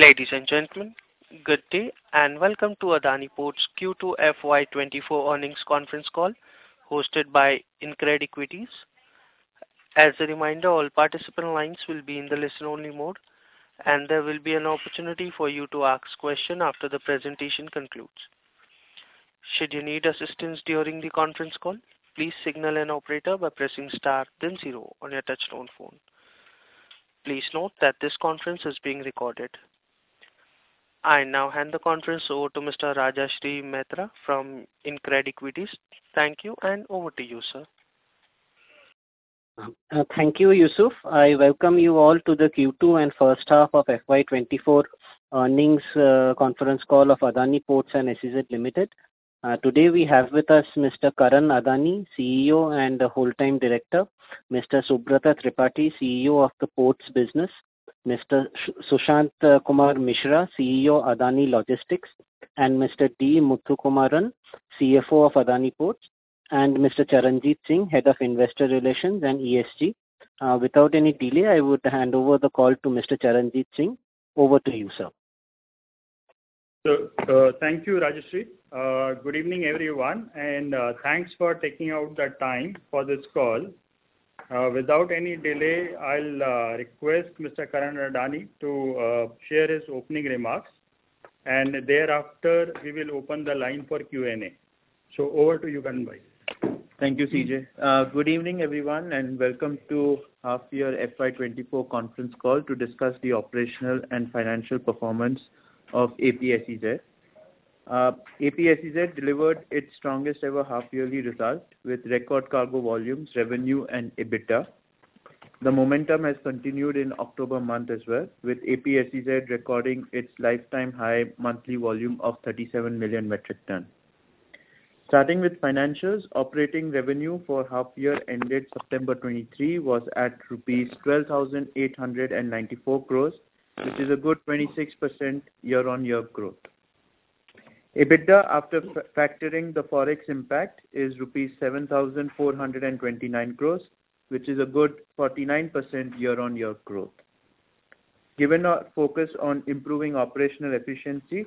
Ladies and gentlemen, good day, and welcome to Adani Ports Q2 FY 2024 earnings conference call, hosted by InCred Equities. As a reminder, all participant lines will be in the listen-only mode, and there will be an opportunity for you to ask questions after the presentation concludes. Should you need assistance during the conference call, please signal an operator by pressing star then zero on your touchtone phone. Please note that this conference is being recorded. I now hand the conference over to Mr. Rajarshi Maitra from InCred Equities. Thank you, and over to you, sir. Thank you, Yusuf. I welcome you all to the Q2 and first half of FY 2024 earnings conference call of Adani Ports and SEZ Limited. Today we have with us Mr. Karan Adani, CEO and whole time director, Mr. Subrat Tripathy, CEO of the ports business, Mr. Sushant Kumar Mishra, CEO, Adani Logistics, and Mr. D. Muthukumaran, CFO of Adani Ports, and Mr. Charanjit Singh, Head of Investor Relations and ESG. Without any delay, I would hand over the call to Mr. Charanjit Singh. Over to you, sir. So, thank you, Rajashri. Good evening, everyone, and thanks for taking out the time for this call. Without any delay, I'll request Mr. Karan Adani to share his opening remarks, and thereafter, we will open the line for Q&A. So over to you, Karan bhai. Thank you, CJ. Good evening, everyone, and welcome to half year FY 2024 conference call to discuss the operational, and financial performance of APSEZ. APSEZ delivered its strongest ever half-yearly result with record cargo volumes, revenue and EBITDA. The momentum has continued in October month as well, with APSEZ recording its lifetime high monthly volume of 37 million metric ton. Starting with financials, operating revenue for half year ended September 2023 was at rupees 12,894 crores, which is a good 26% year-on-year growth. EBITDA, after factoring the Forex impact, is rupees 7,429 crores, which is a good 49% year-on-year growth. Given our focus on improving operational efficiency,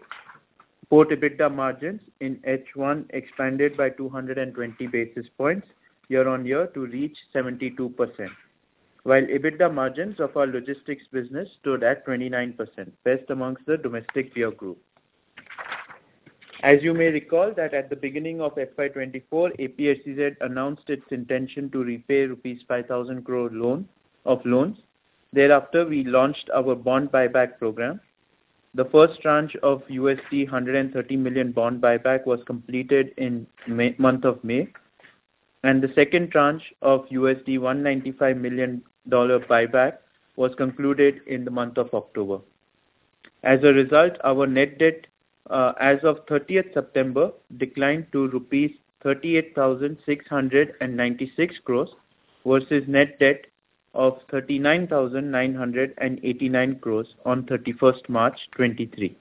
port EBITDA margins in H1 expanded by 220 basis points year-on-year to reach 72%, while EBITDA margins of our logistics business stood at 29%, best amongst the domestic peer group. As you may recall, that at the beginning of FY 2024, APSEZ announced its intention to repay rupees 5,000 crore loan, of loans. Thereafter, we launched our bond buyback program. The first tranche of $130 million bond buyback was completed in May, month of May, and the second tranche of $195 million dollar buyback was concluded in the month of October. As a result, our net debt, as of 30 September, declined to rupees 38,696 crore, versus net debt of 39,989 crore on 31 March 2023.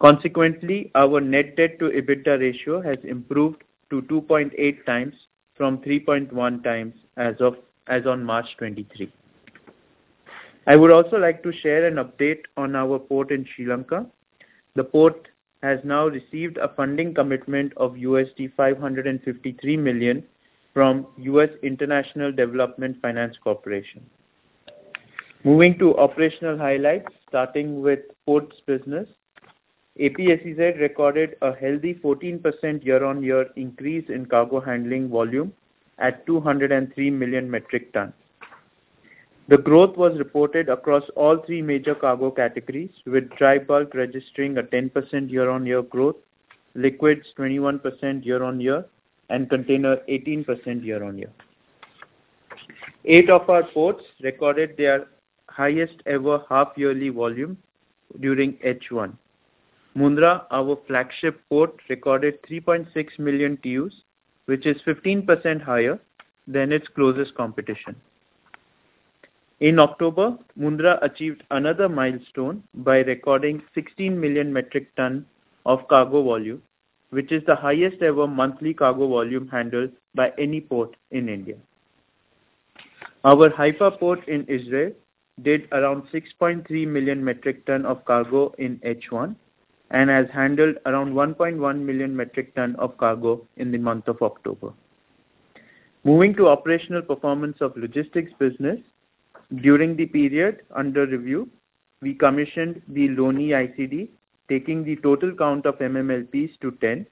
Consequently, our net debt to EBITDA ratio has improved to 2.8 times from 3.1 times as of March 2023. I would also like to share an update on our port in Sri Lanka. The port has now received a funding commitment of $553 million from US International Development Finance Corporation. Moving to operational highlights, starting with ports business. APSEZ recorded a healthy 14% year-on-year increase in cargo handling volume at 203 million metric tons. The growth was reported across all three major cargo categories, with dry bulk registering a 10% year-on-year growth, liquids 21% year-on-year, and containers 18% year-on-year. Eight of our ports recorded their highest ever half-yearly volume during H1. Mundra, our flagship port, recorded 3.6 million TEUs, which is 15% higher than its closest competition. In October, Mundra achieved another milestone by recording 16 million metric ton of cargo volume, which is the highest ever monthly cargo volume handled by any port in India. Our Haifa Port in Israel did around 6.3 million metric ton of cargo in H1, and has handled around 1.1 million metric ton of cargo in the month of October. Moving to operational performance of logistics business. During the period under review, we commissioned the Loni ICD, taking the total count of MMLPs to 10.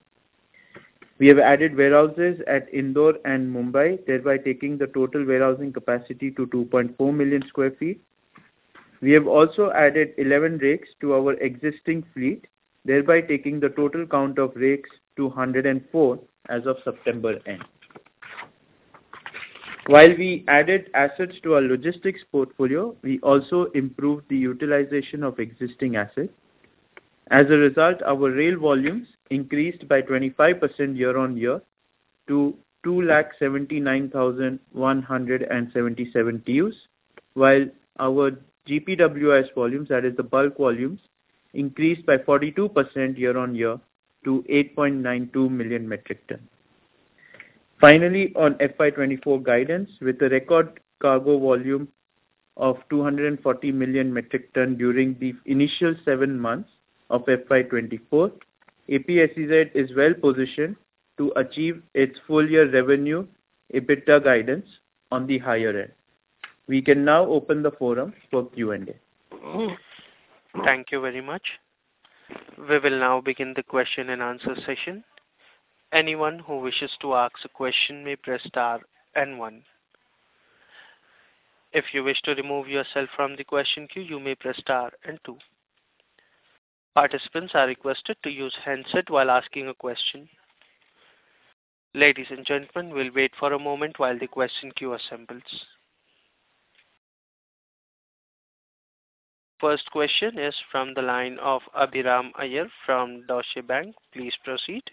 We have added warehouses at Indore and Mumbai, thereby taking the total warehousing capacity to 2.4 million sq ft. We have also added 11 rigs to our existing fleet, thereby taking the total count of rigs to 104 as of September end. While we added assets to our logistics portfolio, we also improved the utilization of existing assets. As a result, our rail volumes increased by 25% year-on-year to 279,177 TEUs, while our GPWIS volumes, that is the bulk volumes, increased by 42% year-on-year to 8.92 million metric tons. Finally, on FY 2024 guidance, with a record cargo volume of 240 million metric tons during the initial seven months of FY 2024, APSEZ is well positioned to achieve its full year revenue, EBITDA guidance on the higher end. We can now open the forum for Q&A. Thank you very much. We will now begin the question and answer session. Anyone who wishes to ask a question may press star and one. If you wish to remove yourself from the question queue, you may press star and two. Participants are requested to use handset while asking a question. Ladies and gentlemen, we'll wait for a moment while the question queue assembles. First question is from the line of Abhiram Iyer from Deutsche Bank. Please proceed.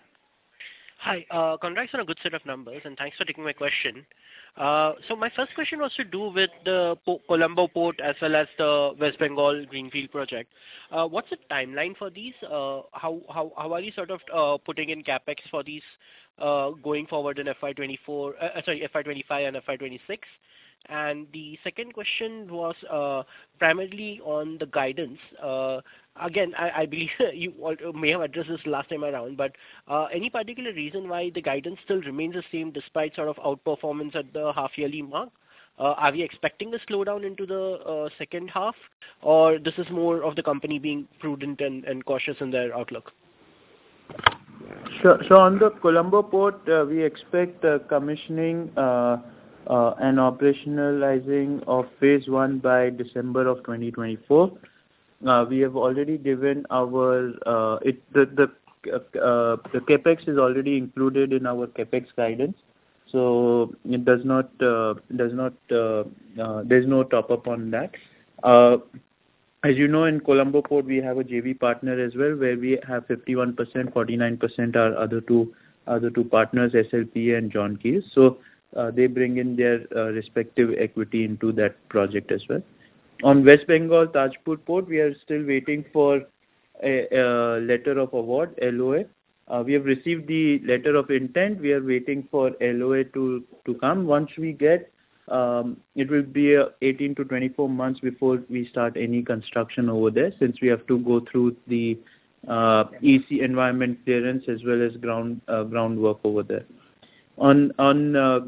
Hi, congrats on a good set of numbers, and thanks for taking my question. So my first question was to do with the Colombo Port, as well as the West Bengal Greenfield project. What's the timeline for these? How are you sort of putting in CapEx for these going forward in FY 2024, sorry, FY 2025 and FY 2026? And the second question was primarily on the guidance. Again, I believe you already may have addressed this last time around, but any particular reason why the guidance still remains the same despite sort of outperformance at the half-yearly mark? Are we expecting a slowdown into the second half, or this is more of the company being prudent and cautious in their outlook? Sure. So on the Colombo Port, we expect commissioning and operationalizing of phase one by December of 2024. We have already given our, the CapEx is already included in our CapEx guidance, so it does not, there's no top-up on that. As you know, in Colombo Port, we have a JV partner as well, where we have 51%, 49% are other two partners, SLPA and John Keells. So, they bring in their respective equity into that project as well. On West Bengal Tajpur Port, we are still waiting for a letter of award, LOA. We have received the letter of intent. We are waiting for LOA to come. Once we get, it will be 18-24 months before we start any construction over there, since we have to go through the EC environment clearance as well as ground groundwork over there. On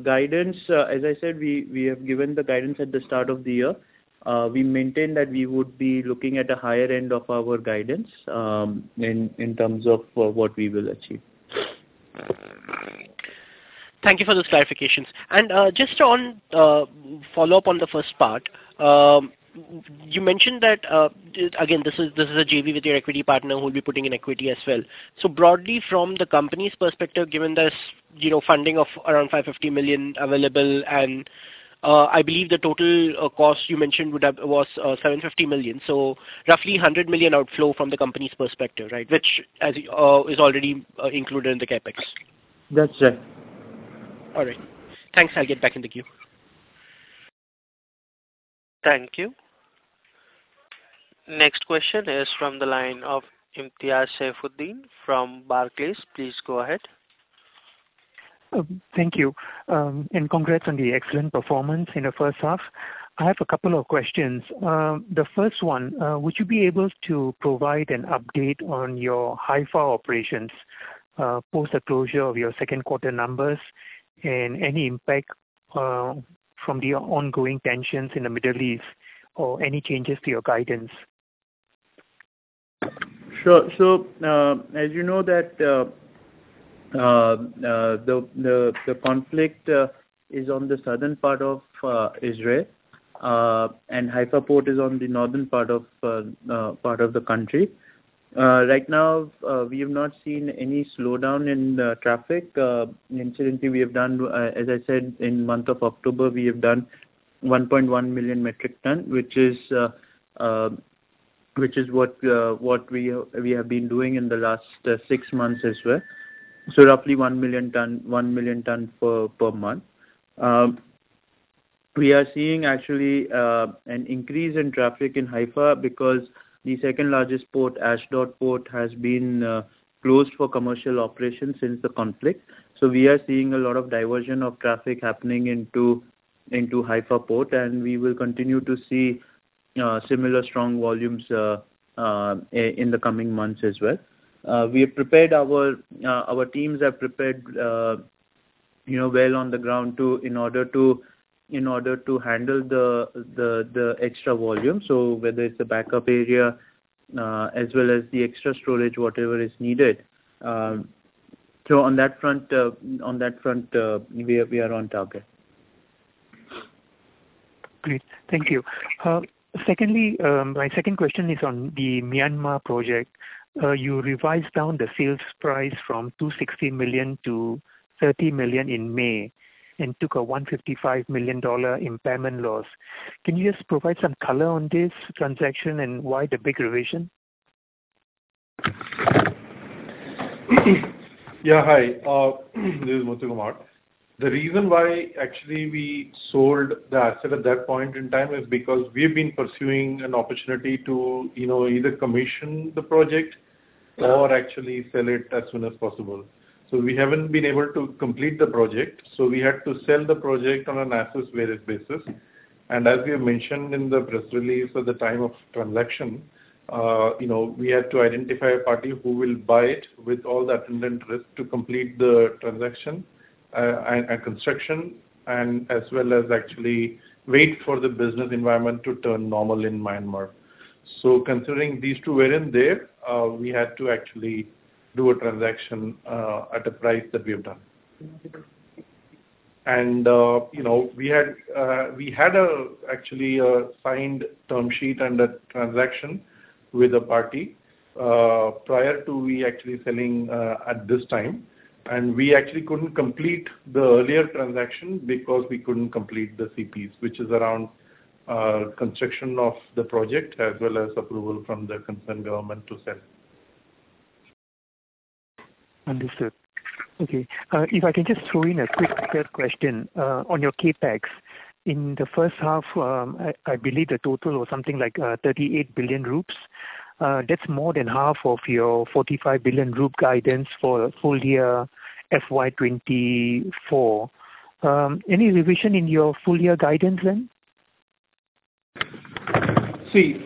guidance, as I said, we, we have given the guidance at the start of the year. We maintained that we would be looking at the higher end of our guidance, in terms of what we will achieve. Thank you for the clarifications. Just on follow-up on the first part, you mentioned that, again, this is, this is a JV with your equity partner who will be putting in equity as well. So broadly, from the company's perspective, given this, you know, funding of around $550 million available, and I believe the total cost you mentioned would have—was $750 million. So roughly $100 million outflow from the company's perspective, right? Which as is already included in the CapEx. That's it. All right. Thanks, I'll get back in the queue. Thank you. Next question is from the line of Imtiaz Saifuddin from Barclays. Please go ahead. Thank you. And congrats on the excellent performance in the first half. I have a couple of questions. The first one, would you be able to provide an update on your Haifa operations, post the closure of your second quarter numbers, and any impact, from the ongoing tensions in the Middle East, or any changes to your guidance? Sure. So, as you know that, the conflict is on the southern part of Israel, and Haifa Port is on the northern part of the country. Right now, we have not seen any slowdown in the traffic. Incidentally, we have done, as I said, in month of October, we have done 1.1 million metric ton, which is what we have been doing in the last six months as well. So roughly 1 million ton, 1 million ton per month. We are seeing actually an increase in traffic in Haifa because the second-largest port, Ashdod Port, has been closed for commercial operations since the conflict. So we are seeing a lot of diversion of traffic happening into Haifa Port, and we will continue to see similar strong volumes in the coming months as well. Our teams have prepared, you know, well on the ground in order to handle the extra volume. So whether it's the backup area as well as the extra storage, whatever is needed. So on that front, we are on target. Great. Thank you. Secondly, my second question is on the Myanmar project. You revised down the sales price from $260 million to $30 million in May and took a $155 million impairment loss. Can you just provide some color on this transaction and why the big revision? Yeah, hi, this is Muthukumaran. The reason why actually we sold the asset at that point in time is because we've been pursuing an opportunity to, you know, either commission the project or actually sell it as soon as possible. So we haven't been able to complete the project, so we had to sell the project on an as-is basis. And as we have mentioned in the press release at the time of transaction, you know, we had to identify a party who will buy it with all the attendant risk to complete the transaction and construction, and as well as actually wait for the business environment to turn normal in Myanmar. So considering these two weren't there, we had to actually do a transaction at a price that we have done. You know, we had actually a signed term sheet and a transaction with a party prior to we actually selling at this time. And we actually couldn't complete the earlier transaction because we couldn't complete the CPs, which is around construction of the project, as well as approval from the concerned government to sell. Understood. Okay. If I can just throw in a quick third question, on your CapEx. In the first half, I believe the total was something like 38 billion rupees. That's more than half of your 45 billion rupee guidance for full year FY 2024. Any revision in your full year guidance then? See,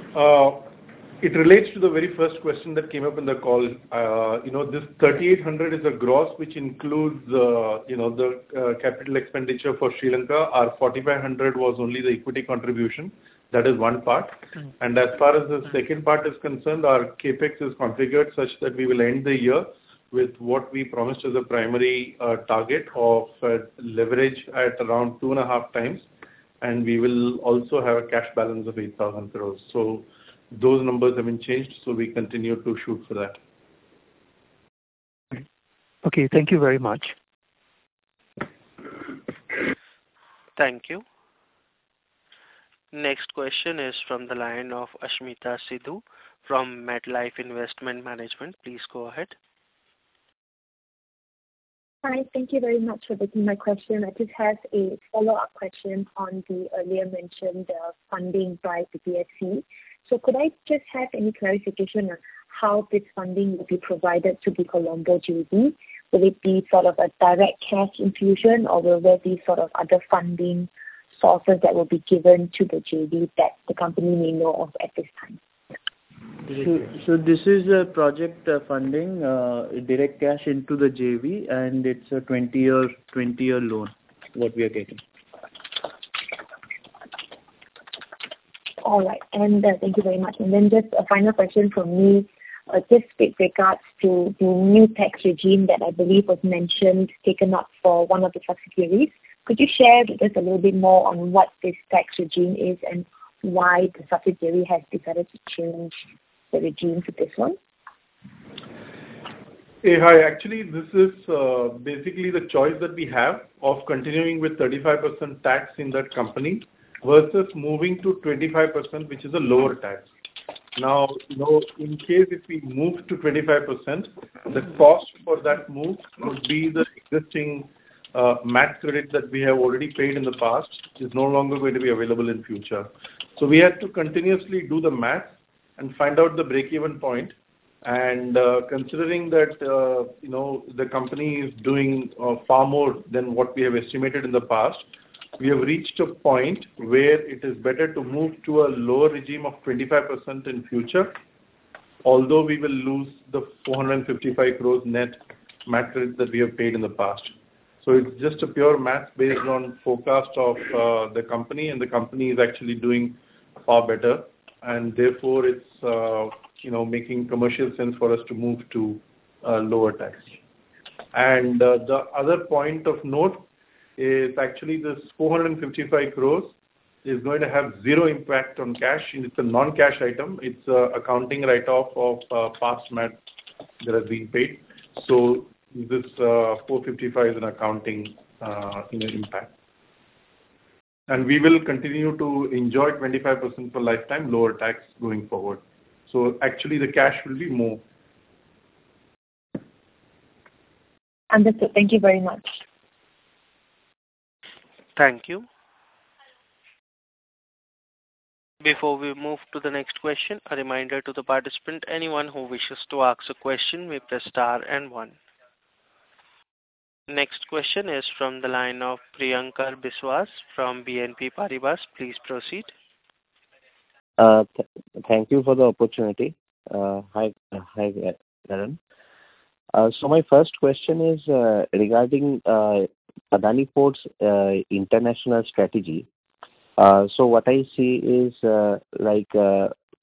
it relates to the very first question that came up in the call. You know, this 3,800 is a gross, which includes the, you know, the capital expenditure for Sri Lanka. Our 4,500 was only the equity contribution. That is one part. Mm-hmm. As far as the second part is concerned, our CapEx is configured such that we will end the year with what we promised as a primary target of leverage at around 2.5 times, and we will also have a cash balance of 8,000 crore. Those numbers haven't changed, so we continue to shoot for that. Okay. Thank you very much. Thank you. Next question is from the line of Asmeeta Sidhu from MetLife Investment Management. Please go ahead. Hi, thank you very much for taking my question. I just have a follow-up question on the earlier mentioned funding by DFC. So could I just have any clarification on how this funding will be provided to the Colombo JV? Will it be sort of a direct cash infusion, or will there be sort of other funding sources that will be given to the JV that the company may know of at this time? So, this is a project funding, direct cash into the JV, and it's a 20-year loan what we are taking. All right, and thank you very much. Then just a final question from me. Just with regards to the new tax regime that I believe was mentioned, taken up for one of the subsidiaries. Could you share with us a little bit more on what this tax regime is, and why the subsidiary has decided to change the regime to this one? Hey, hi. Actually, this is basically the choice that we have of continuing with 35% tax in that company versus moving to 25%, which is a lower tax. Now, you know, in case if we move to 25%, the cost for that move would be the existing MAT credit that we have already paid in the past is no longer going to be available in future. So we had to continuously do the math, and find out the break-even point. And, considering that, you know, the company is doing far more than what we have estimated in the past, we have reached a point where it is better to move to a lower regime of 25% in future, although we will lose the 455 crore net MAT credit that we have paid in the past. So it's just a pure math based on forecast of the company, and the company is actually doing far better, and therefore it's you know, making commercial sense for us to move to a lower tax. And the other point of note is actually this 455 crore is going to have zero impact on cash. It's a non-cash item. It's an accounting write-off of past MAT that has been paid. So this 455 crore is an accounting you know, impact. And we will continue to enjoy 25% for lifetime lower tax going forward. So actually the cash will be more. Understood. Thank you very much. Thank you. Before we move to the next question, a reminder to the participant, anyone who wishes to ask a question, may press star and one. Next question is from the line of Priyankar Biswas from BNP Paribas. Please proceed. Thank you for the opportunity. Hi, hi there, Karan. So my first question is regarding Adani Ports international strategy. So what I see is, like,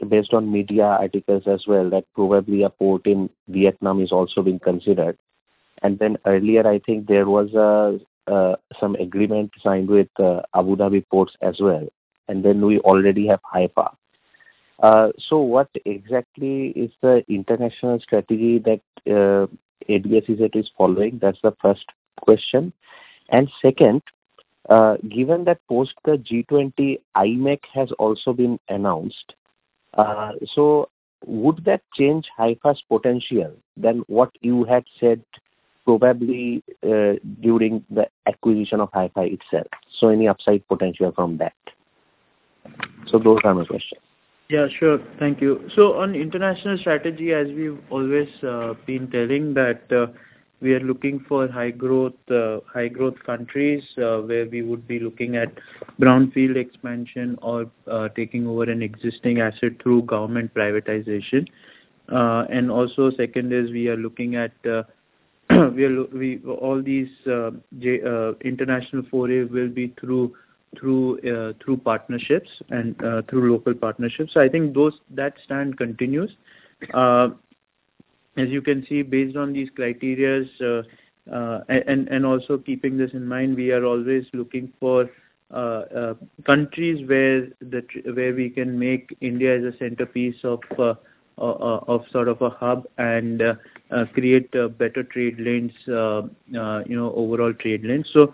based on media articles as well, that probably a port in Vietnam is also being considered. And then earlier, I think there was some agreement signed with Abu Dhabi Ports as well, and then we already have Haifa. So what exactly is the international strategy that APSEZ is following? That's the first question. And second, given that post the G20, IMEC has also been announced, so would that change Haifa's potential than what you had said probably during the acquisition of Haifa itself? So any upside potential from that? So those are my questions. Yeah, sure. Thank you. So on international strategy, as we've always been telling that, we are looking for high growth countries, where we would be looking at brownfield expansion or taking over an existing asset through government privatization. And also second is we are looking at all these international forays will be through partnerships and through local partnerships. So I think that stance continues. As you can see, based on these criteria, and also keeping this in mind, we are always looking for countries where we can make India as a centerpiece of sort of a hub and create better trade lanes, you know, overall trade lanes. So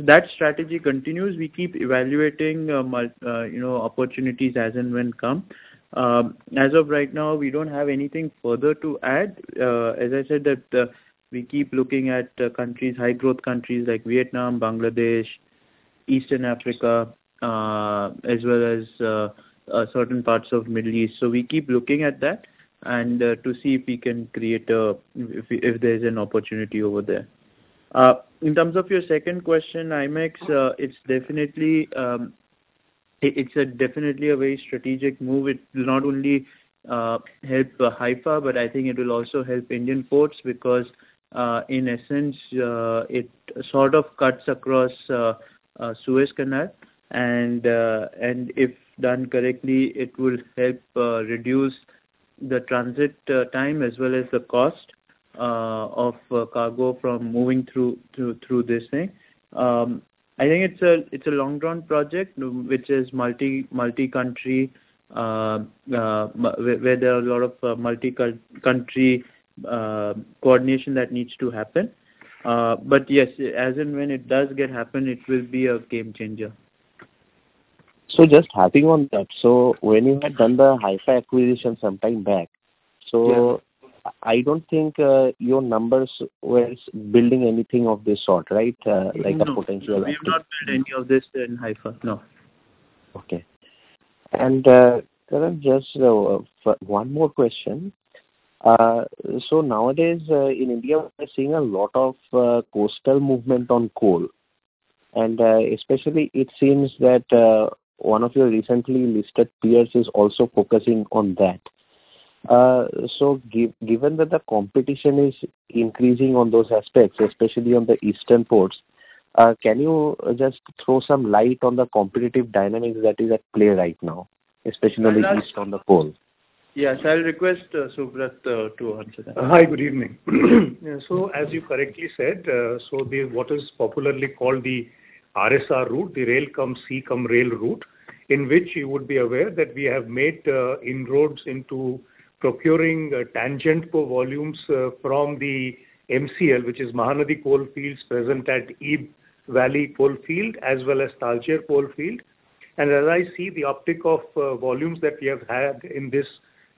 that strategy continues. We keep evaluating, you know, opportunities as and when come. As of right now, we don't have anything further to add. As I said, that, we keep looking at countries, high growth countries like Vietnam, Bangladesh, Eastern Africa, as well as certain parts of Middle East. So we keep looking at that and to see if we can create a, if we, if there's an opportunity over there. In terms of your second question, IMEC, it's definitely... it's definitely a very strategic move. It will not only help Haifa, but I think it will also help Indian ports, because in essence, it sort of cuts across Suez Canal, and if done correctly, it will help reduce the transit time as well as the cost of cargo from moving through this thing. I think it's a long-run project, which is multi-country where there are a lot of multi-country coordination that needs to happen. But yes, as and when it does get happen, it will be a game changer. So just harping on that. So when you had done the Haifa acquisition sometime back, so- Yes. I don't think your numbers were building anything of this sort, right? Like a potential- No. We've not done any of this in Haifa, no. Okay. Karan, just one more question. Nowadays, in India, we are seeing a lot of coastal movement on coal. And especially it seems that one of your recently listed peers is also focusing on that. Given that the competition is increasing on those aspects, especially on the eastern ports, can you just throw some light on the competitive dynamics that is at play right now, especially at least on the coal? Yes, I'll request Subrat to answer that. Hi, good evening. So as you correctly said, so the, what is popularly called the RSR route, the rail cum, sea cum, rail route, in which you would be aware that we have made inroads into procuring tangible volumes from the MCL, which is Mahanadi Coalfields present at Ib Valley coalfield, as well as Talcher coalfield. And as I see the uptick of volumes that we have had in this,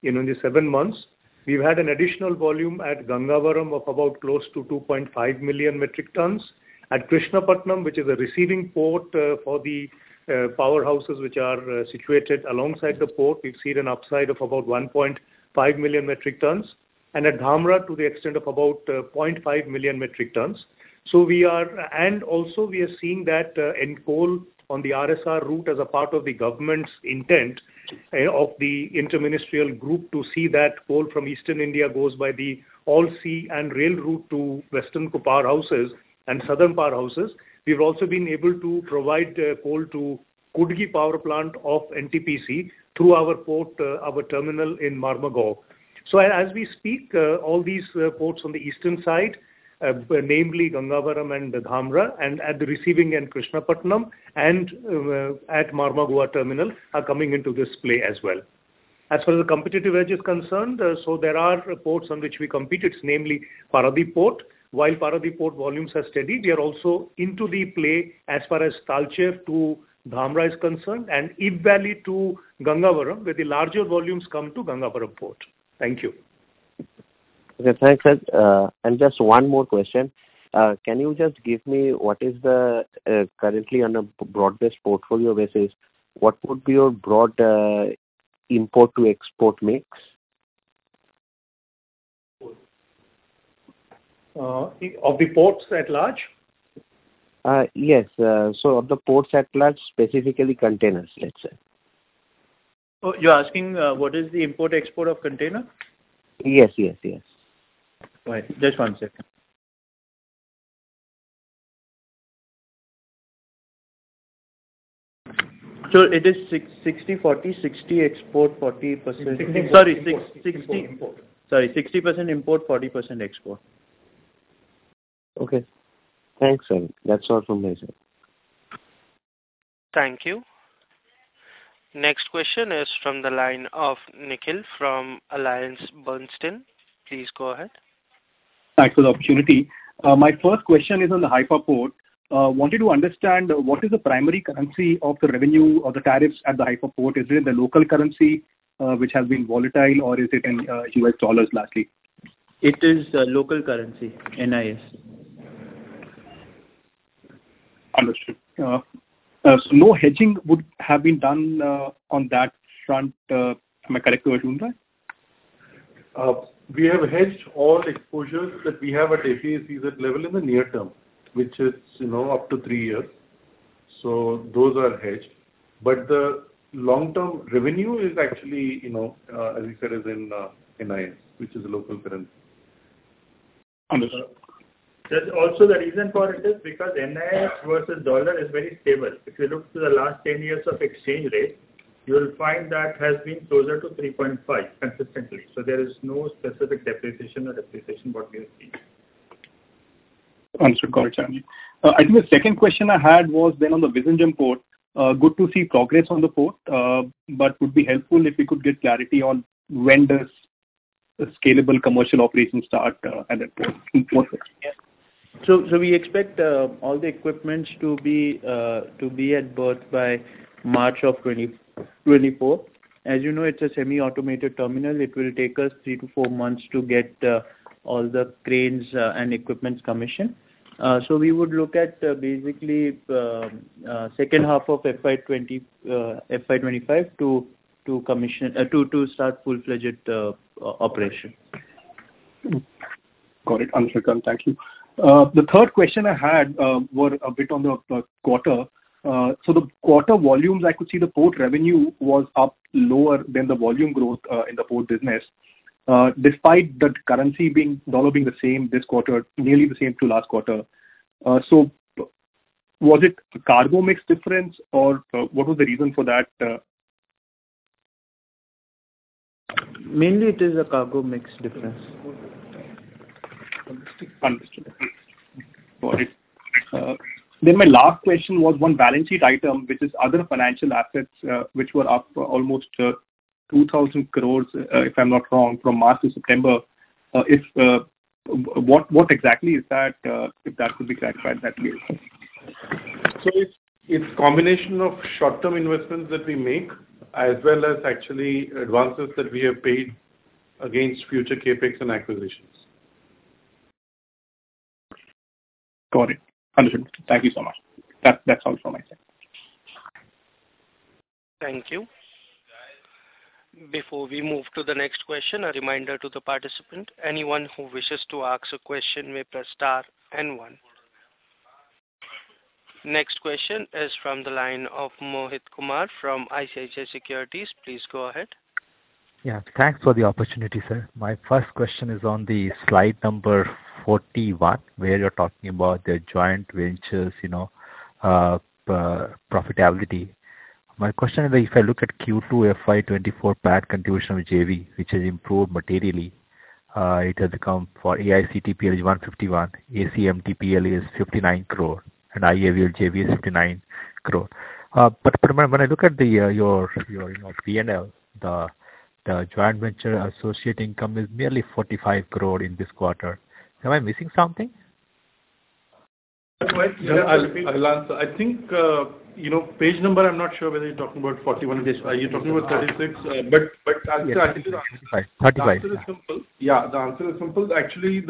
you know, in the seven months, we've had an additional volume at Gangavaram of about close to 2.5 million metric tons. At Krishnapatnam, which is a receiving port, for the powerhouses which are situated alongside the port, we've seen an upside of about 1.5 million metric tons, and at Dhamra, to the extent of about 0.5 million metric tons. So we are... We are also seeing that, in coal, on the RSR route, as a part of the government's intent, of the interministerial group, to see that coal from eastern India goes by the all sea and rail route to western powerhouses and southern powerhouses. We've also been able to provide coal to Kudgi Power Plant of NTPC through our port, our terminal in Mormugao. So as we speak, all these ports on the eastern side, namely Gangavaram and Dhamra, and at the receiving end, Krishnapatnam, and at Mormugao terminal, are coming into this play as well. As far as the competitive edge is concerned, so there are ports on which we compete. It's namely Paradip Port. While Paradip Port volumes are steady, we are also into the play as far as Talcher to Dhamra is concerned, and Ib Valley to Gangavaram, where the larger volumes come to Gangavaram Port. Thank you. Okay, thanks, Raj. Just one more question. Can you just give me what is the, currently on a broad-based portfolio basis, what would be your broad, import to export mix? Of the ports at large? Yes. So of the ports at large, specifically containers, let's say. Oh, you're asking, what is the import, export of container? Yes, yes, yes. Right. Just one second. So it is 60/40. 60% export, 40%- 60, sorry, 60 import. Sorry, 60% import, 40% export. Okay. Thanks, Raj. That's all from my side. Thank you. Next question is from the line of Nikhil from AllianceBernstein. Please go ahead. Thanks for the opportunity. My first question is on the Haifa Port. Wanted to understand, what is the primary currency of the revenue or the tariffs at the Haifa Port? Is it the local currency, which has been volatile, or is it in U.S. dollars, lastly? It is local currency, NIS. ... Understood. So no hedging would have been done, on that front. Am I correct, Aruna? We have hedged all exposures that we have at APSEZ level in the near term, which is, you know, up to three years. So those are hedged. But the long-term revenue is actually, you know, as you said, is in NIS, which is a local currency. Understood. That's also the reason for it is because NIS versus dollar is very stable. If you look to the last 10 years of exchange rate, you will find that has been closer to 3.5 consistently. So there is no specific depreciation or appreciation what we have seen. Understood. Got it. I think the second question I had was then on the Visakhapatnam Port. Good to see progress on the port, but would be helpful if we could get clarity on when does the scalable commercial operations start, at that port? So we expect all the equipment to be at berth by March of 2024. As you know, it's a semi-automated terminal. It will take us 3-4 months to get all the cranes and equipment commissioned. So we would look at basically second half of FY 2025 to commission to start full-fledged operation. Got it. Understood. Thank you. The third question I had were a bit on the quarter. So the quarter volumes, I could see the port revenue was up lower than the volume growth in the port business, despite that currency being, dollar being the same this quarter, nearly the same to last quarter. So was it cargo mix difference or what was the reason for that...? Mainly it is a cargo mix difference. Understood. Got it. Then my last question was one balance sheet item, which is other financial assets, which were up almost 2,000 crore, if I'm not wrong, from March to September. If what exactly is that, if that could be clarified, that will be helpful. It's a combination of short-term investments that we make, as well as actually advances that we have paid against future CapEx and acquisitions. Got it. Understood. Thank you so much. That, that's all from my side. Thank you. Before we move to the next question, a reminder to the participant: anyone who wishes to ask a question may press star then one. Next question is from the line of Mohit Kumar from ICICI Securities. Please go ahead. Yeah. Thanks for the opportunity, sir. My first question is on the slide number 41, where you're talking about the joint ventures, you know, profitability. My question is, if I look at Q2 FY 2024 PAT contribution with JV, which has improved materially, it has come for AICTPL is 151 crore, ACMTPL is 59 crore, and IOAVL JV is 59 crore. But when I look at your P&L, the joint venture associate income is merely 45 crore in this quarter. Am I missing something? I'll answer. I think, you know, page number, I'm not sure whether you're talking about 41. Are you talking about 36? But I think the answer- Thirty-five. The answer is simple. Yeah, the answer is simple. Actually,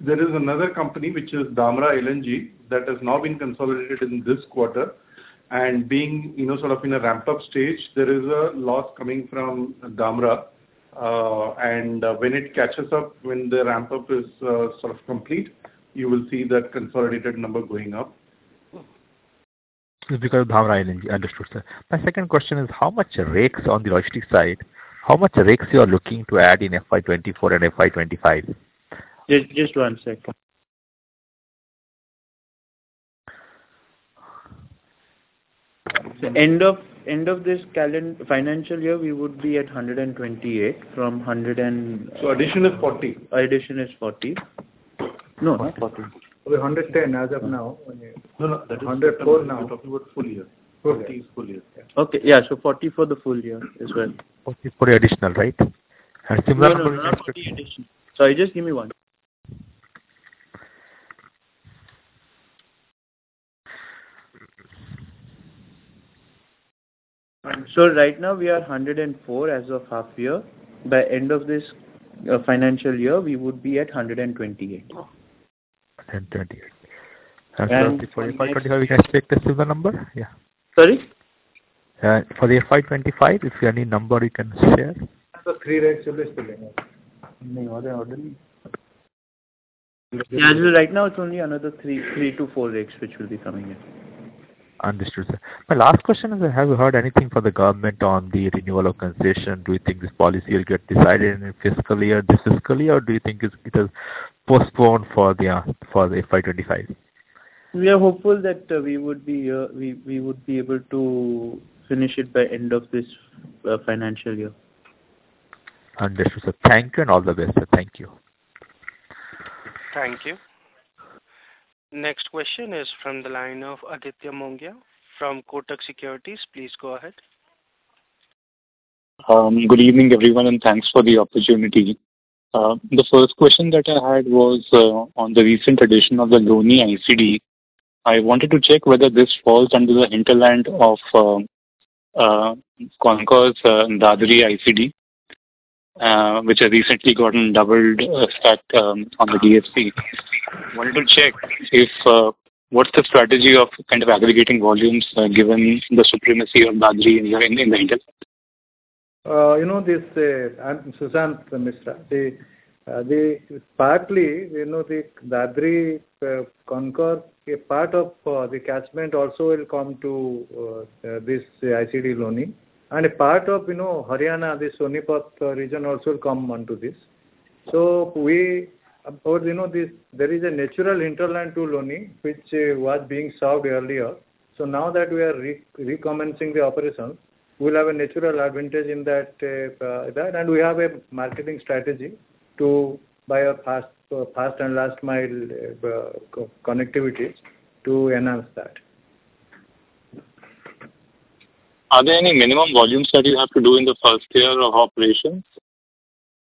there is another company, which is Dhamra LNG, that has now been consolidated in this quarter. And being, you know, sort of in a ramp-up stage, there is a loss coming from Dhamra. When it catches up, when the ramp-up is sort of complete, you will see that consolidated number going up. It's because of Dhamra LNG. Understood, sir. My second question is: how much rates on the logistics side, how much rates you are looking to add in FY 2024 and FY 2025? Just one second. End of this calendar financial year, we would be at 128, from 100 and- Addition is 40. Addition is 40. No, not 40. We're 110 as of now. No, no. 104 now. We're talking about full year. 40 is full year. Okay. Yeah. 40 for the full year as well. 40 for the additional, right? No, no, not 40 addition. Sorry, just give me one... So right now we are 104 as of half year. By end of this financial year, we would be at 128. 128. And- For FY 25, we can expect a similar number? Yeah. Sorry? For the FY 25, if there any number you can share? Three rates As of right now, it's only another 3, 3 to 4 rates, which will be coming in. Understood, sir. My last question is, have you heard anything from the government on the renewal of concession? Do you think this policy will get decided in a fiscal year, this fiscal year, or do you think it's, it is postponed for the, for the FY 25? We are hopeful that, we would be able to finish it by end of this, financial year. Understood, sir. Thank you and all the best, sir. Thank you. Thank you. Next question is from the line of Aditya Mongia from Kotak Securities. Please go ahead. Good evening, everyone, and thanks for the opportunity. The first question that I had was on the recent addition of the Loni ICD. I wanted to check whether this falls under the hinterland of Concor's Dadri ICD, which has recently gotten doubled its stack on the DFC. Wanted to check if what's the strategy of kind of aggregating volumes given the supremacy of Dadri in the hinterland? You know, this, I'm Sushant Mishra. You know, the Dadri Concor, a part of the catchment also will come to this ICD Loni. And a part of, you know, Haryana, the Sonipat region, also come onto this. So, you know, this, there is a natural hinterland to Loni, which was being served earlier. So now that we are recommencing the operations, we'll have a natural advantage in that, that, and we have a marketing strategy to via first and last mile connectivity to enhance that. Are there any minimum volumes that you have to do in the first year of operations?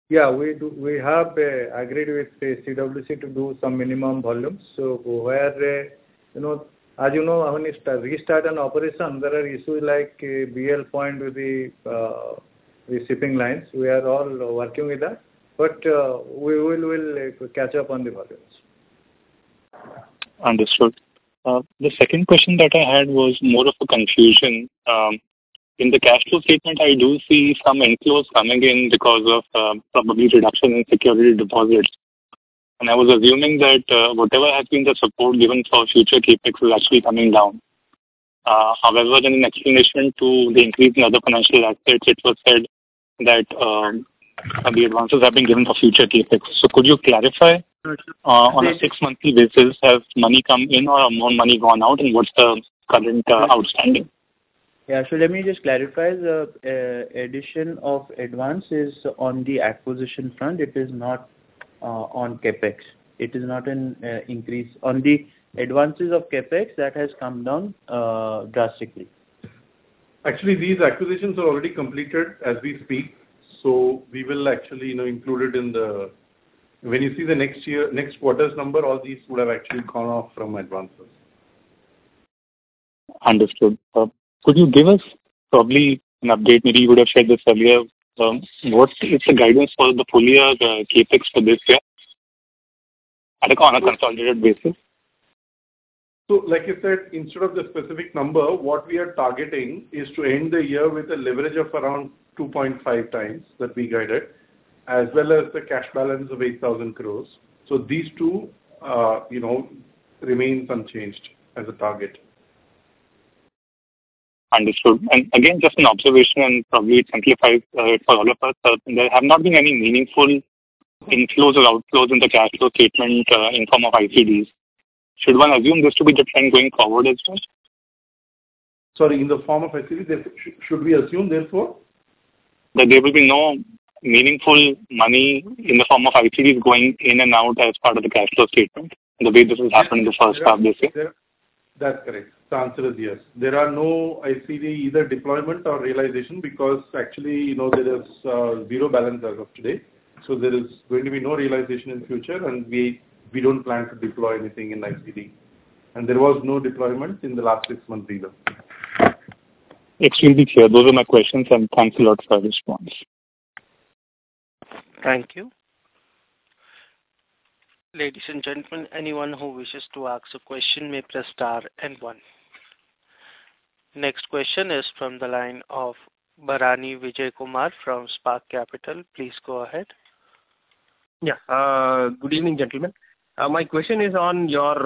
Yeah, we do. We have agreed with CWC to do some minimum volumes. So where, you know, as you know, when you restart an operation, there are issues like a BL point with the shipping lines. We are all working with that, but we will catch up on the volumes. Understood. The second question that I had was more of a confusion. In the cash flow statement, I do see some inflows coming in because of, probably reduction in security deposits. And I was assuming that, whatever has been the support given for future CapEx is actually coming down. However, in an explanation to the increase in other financial aspects, it was said that, the advances have been given for future CapEx. So could you clarify, on a six-monthly basis, has money come in or more money gone out, and what's the current, outstanding? Yeah. So let me just clarify. The addition of advances on the acquisition front, it is not on CapEx. It is not an increase. On the advances of CapEx, that has come down drastically. Actually, these acquisitions are already completed as we speak, so we will actually, you know, include it in the... When you see the next year, next quarter's number, all these would have actually gone off from advances. Understood. Could you give us probably an update, maybe you would have shared this earlier, what is the guidance for the full year CapEx for this year on a consolidated basis? So, like I said, instead of the specific number, what we are targeting is to end the year with a leverage of around 2.5 times that we guided, as well as the cash balance of 8,000 crore. So these two, you know, remain unchanged as a target. Understood. Again, just an observation, and probably simplify for all of us. There have not been any meaningful inflows or outflows in the cash flow statement in form of ICDs. Should one assume this to be the trend going forward as well? Sorry, in the form of ICD, should we assume therefore? That there will be no meaningful money in the form of ICDs going in and out as part of the cash flow statement, the way this has happened this first half this year. That's correct. The answer is yes. There are no ICD, either deployment or realization, because actually, you know, there is zero balance as of today. So there is going to be no realization in future, and we, we don't plan to deploy anything in ICD. And there was no deployment in the last six months either. Extremely clear. Those are my questions, and thanks a lot for your response. Thank you. Ladies and gentlemen, anyone who wishes to ask a question, may press star and one. Next question is from the line of Bharanidhar Vijayakumar from Spark Capital. Please go ahead. Yeah. Good evening, gentlemen. My question is on your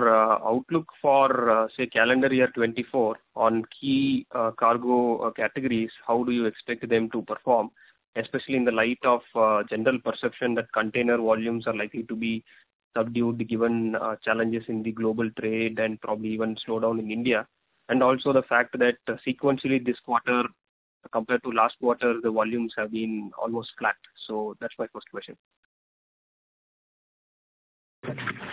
outlook for, say, calendar year 2024 on key cargo categories. How do you expect them to perform, especially in the light of general perception that container volumes are likely to be subdued, given challenges in the global trade and probably even slowdown in India? And also the fact that sequentially this quarter, compared to last quarter, the volumes have been almost flat. So that's my first question.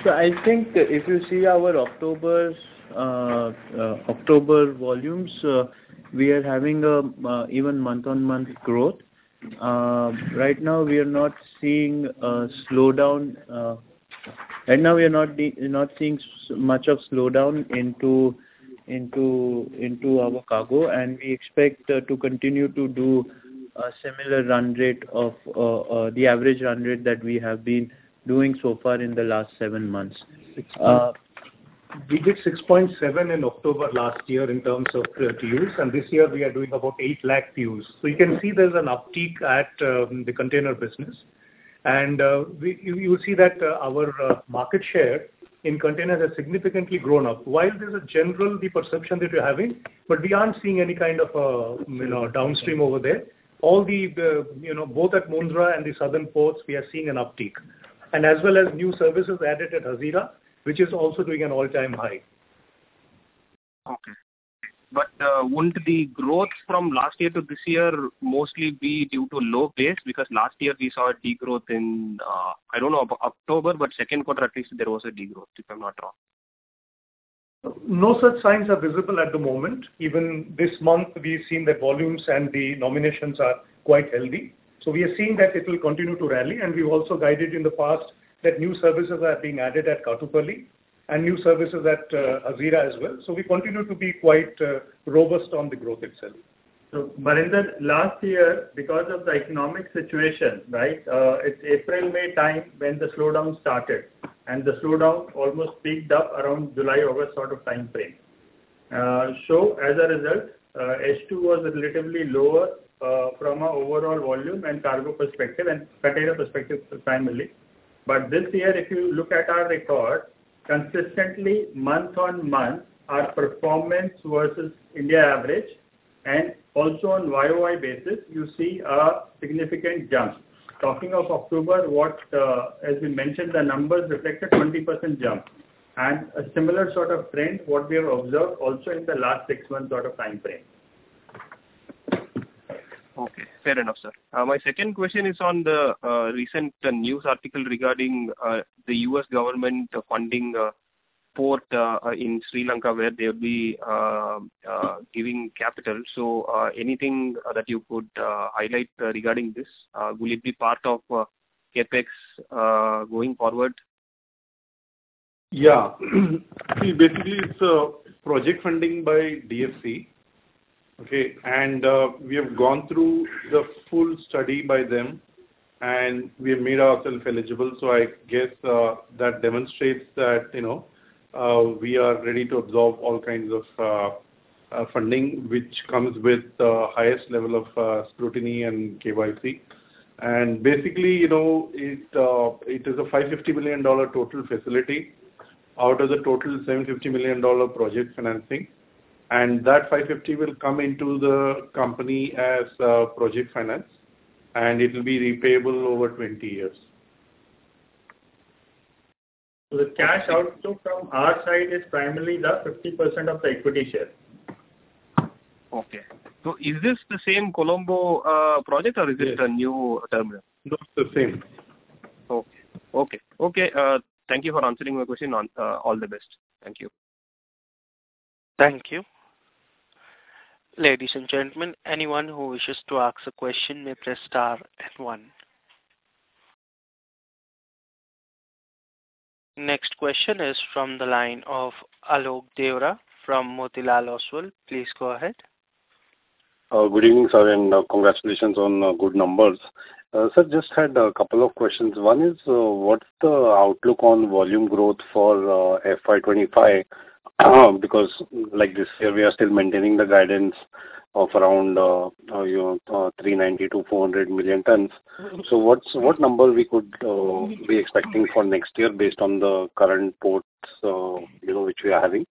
So I think if you see our October volumes, we are having even month-on-month growth. Right now, we are not seeing a slowdown. Right now, we are not seeing much of slowdown into our cargo, and we expect to continue to do a similar run rate of the average run rate that we have been doing so far in the last seven months. We did 6.7 in October last year in terms of TEUs, and this year we are doing about 800,000 TEUs. So you can see there's an uptick at the container business. And you see that our market share in containers has significantly grown up. While there's a general perception that you're having, but we aren't seeing any kind of you know downstream over there. All the you know both at Mundra and the southern ports, we are seeing an uptick. And as well as new services added at Hazira, which is also doing an all-time high. Okay. But, wouldn't the growth from last year to this year mostly be due to low base? Because last year we saw a degrowth in, I don't know about October, but second quarter at least, there was a degrowth, if I'm not wrong. No such signs are visible at the moment. Even this month, we've seen the volumes and the nominations are quite healthy. So we are seeing that it will continue to rally, and we've also guided in the past that new services are being added at Katupalli.... and new services at Hazira as well. We continue to be quite robust on the growth itself. So, Maarinder, last year, because of the economic situation, right, it's April, May time when the slowdown started, and the slowdown almost peaked up around July, August sort of time frame. So as a result, H2 was relatively lower, from an overall volume and cargo perspective and container perspective, primarily. But this year, if you look at our record, consistently, month-on-month, our performance versus India average, and also on YOY basis, you see a significant jump. Talking of October, what, as we mentioned, the numbers reflected 20% jump. And a similar sort of trend, what we have observed also in the last six months sort of time frame. Okay, fair enough, sir. My second question is on the recent news article regarding the US government funding port in Sri Lanka, where they'll be giving capital. So, anything that you could highlight regarding this? Will it be part of CapEx going forward? Yeah. See, basically, it's a project funding by DFC, okay? And, we have gone through the full study by them, and we have made ourselves eligible. So I guess, that demonstrates that, you know, we are ready to absorb all kinds of, funding, which comes with the highest level of, scrutiny and KYC. And basically, you know, it, it is a $550 million total facility out of the total $750 million project financing. And that $550 million will come into the company as, project finance, and it will be repayable over 20 years. The cash out to from our side is primarily the 50% of the equity share. Okay. So is this the same Colombo project? Yes. or is this a new terminal? No, it's the same. Okay. Okay. Okay, thank you for answering my question. On, all the best. Thank you. Thank you. Ladies and gentlemen, anyone who wishes to ask a question may press star and one. Next question is from the line of Alok Deora from Motilal Oswal. Please go ahead. Good evening, sir, and congratulations on good numbers. Sir, just had a couple of questions. One is, what's the outlook on volume growth for FY 25? Because like this year, we are still maintaining the guidance of around, you know, 390-400 million tons. So what's, what number we could be expecting for next year based on the current ports, you know, which we are having?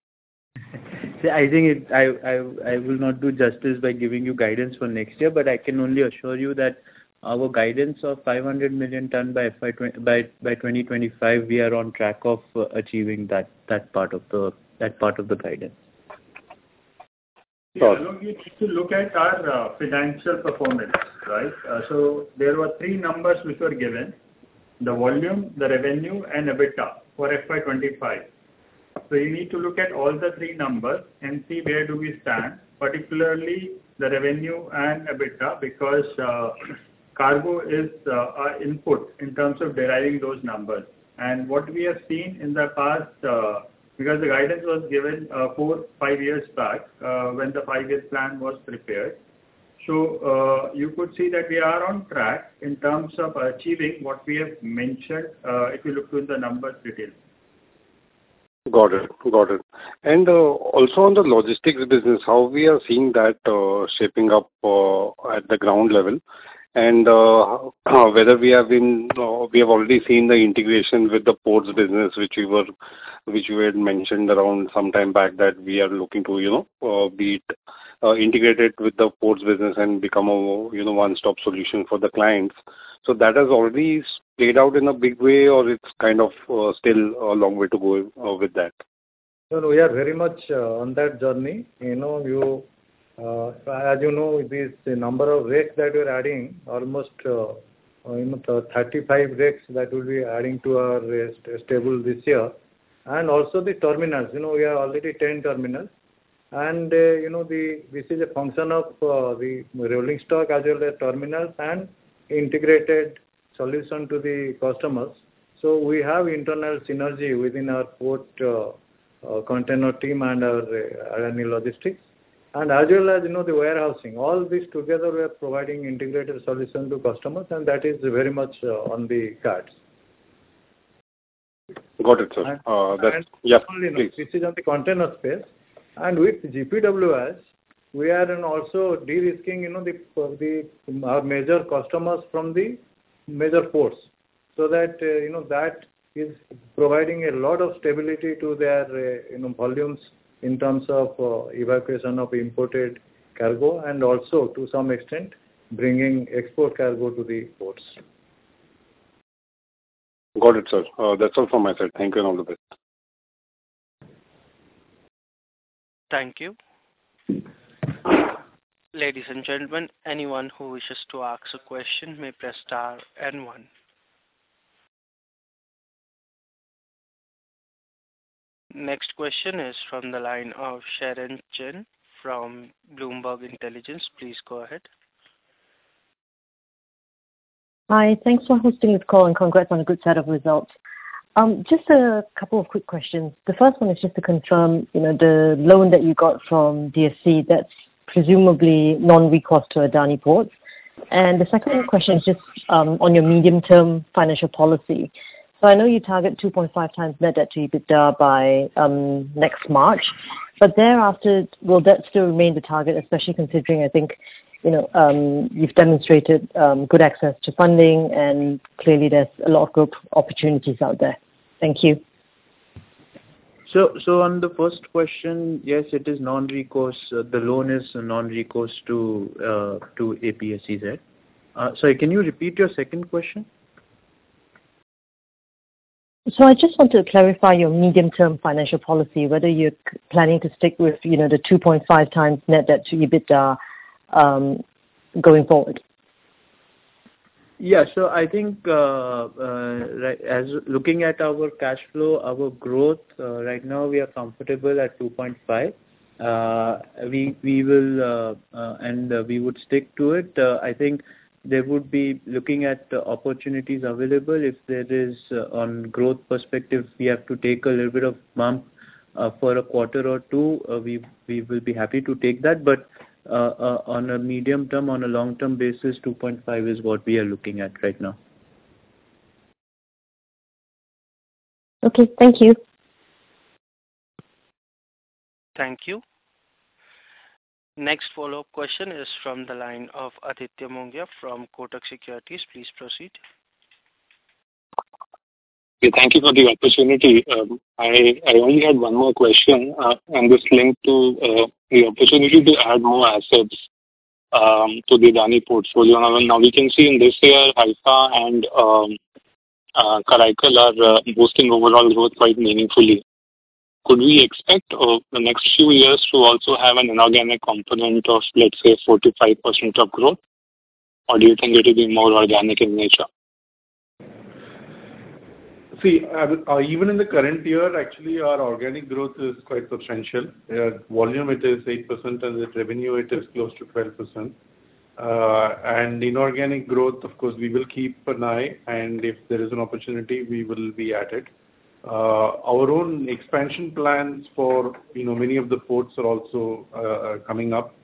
See, I think it. I will not do justice by giving you guidance for next year, but I can only assure you that our guidance of 500 million ton by FY 2025, we are on track of achieving that, that part of the guidance. Sorry. You need to look at our financial performance, right? So there were three numbers which were given: the volume, the revenue, and EBITDA for FY 25. So you need to look at all the three numbers and see where do we stand, particularly the revenue and EBITDA, because cargo is our input in terms of deriving those numbers. And what we have seen in the past, because the guidance was given four, five years back, when the five-year plan was prepared. So you could see that we are on track in terms of achieving what we have mentioned, if you look through the numbers details. Got it. Got it. And, also on the logistics business, how we are seeing that, shaping up, at the ground level? And, whether we have been, we have already seen the integration with the ports business, which we had mentioned around some time back, that we are looking to, you know, be, integrated with the ports business and become a, you know, one-stop solution for the clients. So that has already played out in a big way, or it's kind of, still a long way to go, with that? Well, we are very much on that journey. You know, you, as you know, with the number of rigs that we're adding, almost, you know, 35 rigs that we'll be adding to our stable this year. And also the terminals, you know, we have already 10 terminals. And, you know, this is a function of, the rolling stock as well as terminals and integrated solution to the customers. So we have internal synergy within our port, container team and our, Adani Logistics. And as well as, you know, the warehousing. All this together, we are providing integrated solution to customers, and that is very much on the cards. Got it, sir. That's- And- Yeah, please. This is on the container space, and with GPWIS, we are then also de-risking, you know, the our major customers from the major ports. So that, you know, that is providing a lot of stability to their, you know, volumes in terms of evacuation of imported cargo, and also, to some extent, bringing export cargo to the ports. Got it, sir. That's all from my side. Thank you, and all the best. Thank you. Ladies and gentlemen, anyone who wishes to ask a question, may press star and one. Next question is from the line of Sharon Chen from Bloomberg Intelligence. Please go ahead. ... Hi, thanks for hosting this call, and congrats on a good set of results. Just a couple of quick questions. The first one is just to confirm, you know, the loan that you got from DFC, that's presumably non-recourse to Adani Ports. And the second question is just on your medium-term financial policy. So I know you target 2.5 times net debt to EBITDA by next March, but thereafter, will debt still remain the target, especially considering, I think, you know, you've demonstrated good access to funding, and clearly there's a lot of growth opportunities out there. Thank you. So, on the first question, yes, it is non-recourse. The loan is a non-recourse to, to APSEZ. Sorry, can you repeat your second question? I just want to clarify your medium-term financial policy, whether you're planning to stick with, you know, the 2.5 times net debt to EBITDA, going forward. Yeah. So I think, right, as looking at our cash flow, our growth, right now, we are comfortable at 2.5. We will, and we would stick to it. I think there would be looking at the opportunities available. If there is on growth perspective, we have to take a little bit of bump, for a quarter or two, we will be happy to take that. But, on a medium term, on a long-term basis, 2.5 is what we are looking at right now. Okay. Thank you. Thank you. Next follow-up question is from the line of Aditya Mongia from Kotak Securities. Please proceed. Thank you for the opportunity. I only had one more question, and this link to the opportunity to add more assets to the Adani portfolio. Now, we can see in this year, Haifa and Karaikal are boosting overall growth quite meaningfully. Could we expect the next few years to also have an inorganic component of, let's say, 45% of growth? Or do you think it will be more organic in nature? See, even in the current year, actually, our organic growth is quite substantial. Volume, it is 8%, and the revenue, it is close to 12%. And inorganic growth, of course, we will keep an eye, and if there is an opportunity, we will be at it. Our own expansion plans for, you know, many of the ports are also, coming up,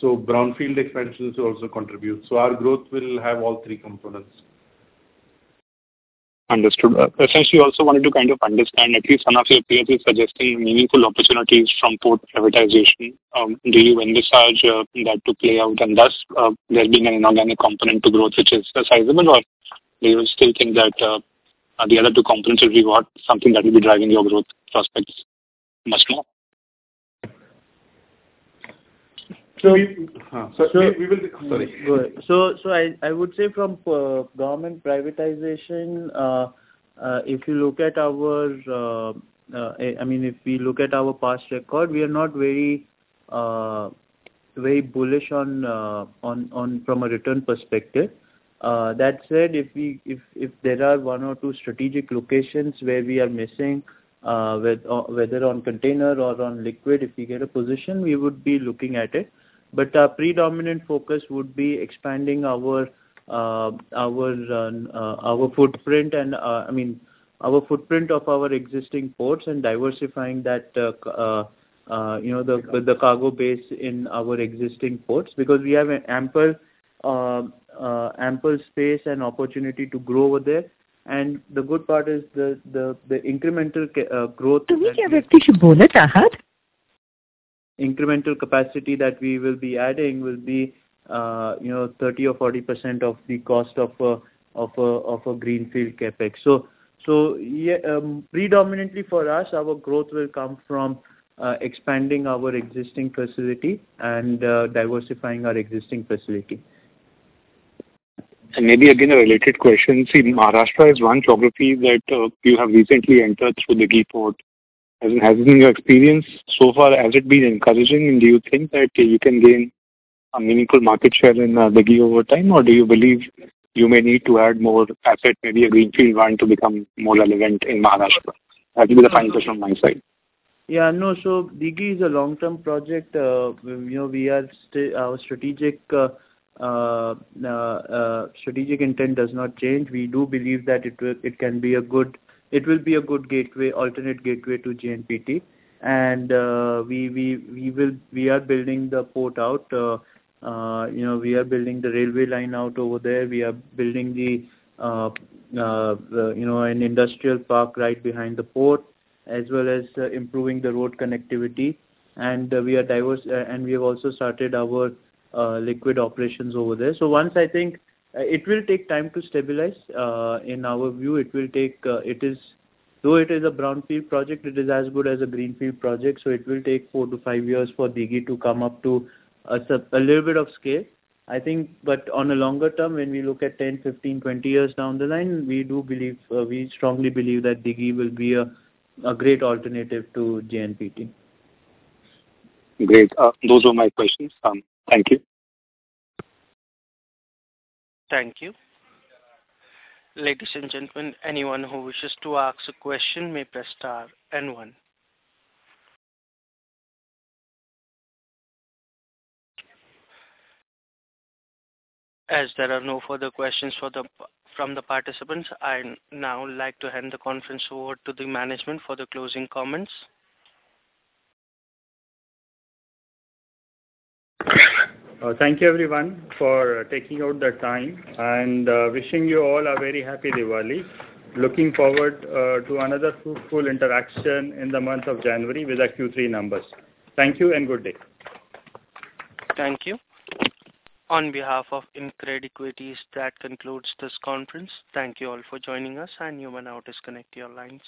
so brownfield expansions also contribute. So our growth will have all three components. Understood. Essentially, I also wanted to kind of understand, at least one of your peers is suggesting meaningful opportunities from port privatization. Do you envisage that to play out, and thus, there being an inorganic component to growth, which is sizable? Or do you still think that the other two components will be what something that will be driving your growth prospects much more? So we will. Sorry. So, I would say from government privatization, if you look at our, I mean, if we look at our past record, we are not very bullish on from a return perspective. That said, if there are one or two strategic locations where we are missing, whether on container or on liquid, if we get a position, we would be looking at it. But our predominant focus would be expanding our footprint and, I mean, our footprint of our existing ports and diversifying that, you know, the cargo base in our existing ports, because we have an ample space and opportunity to grow over there. And the good part is the incremental capacity that we will be adding will be, you know, 30%-40% of the cost of a greenfield CapEx. So, yeah, predominantly for us, our growth will come from expanding our existing facility and diversifying our existing facility. And maybe again, a related question. See, Maharashtra is one geography that, you have recently entered through the Dighi Port. And how has been your experience so far? Has it been encouraging, and do you think that you can gain a meaningful market share in, Dighi over time? Or do you believe you may need to add more asset, maybe a Greenfield one, to become more relevant in Maharashtra? That will be the final question on my side. Yeah, no. So Dighi is a long-term project. You know, our strategic intent does not change. We do believe that it will, it can be a good... It will be a good gateway, alternate gateway to JNPT. And we are building the port out. You know, we are building the railway line out over there. We are building the, you know, an industrial park right behind the port, as well as improving the road connectivity. And we are diversifying, and we have also started our liquid operations over there. So once I think, it will take time to stabilize. In our view, it will take, it is, though it is a brownfield project, it is as good as a greenfield project, so it will take 4-5 years for Dighi to come up to a little bit of scale. I think, but on a longer term, when we look at 10, 15, 20 years down the line, we do believe, we strongly believe that Dighi will be a great alternative to JNPT. Great. Those were my questions. Thank you. Thank you. Ladies and gentlemen, anyone who wishes to ask a question may press star and one. As there are no further questions from the participants, I'd now like to hand the conference over to the management for the closing comments. Thank you everyone for taking out the time, and wishing you all a very happy Diwali. Looking forward to another fruitful interaction in the month of January with our Q3 numbers. Thank you and good day. Thank you. On behalf of InCred Equities, that concludes this conference. Thank you all for joining us, and you may now disconnect your lines.